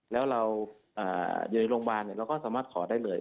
แล้วเราอยู่ในโรงพยาบาลเราก็สามารถขอได้เลย